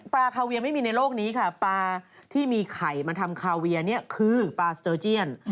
คาเวียไม่มีในโลกนี้ค่ะปลาที่มีไข่มาทำคาเวียเนี่ยคือปลาสเตอร์เจียน